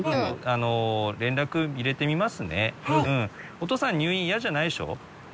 おとうさん入院嫌じゃないでしょ？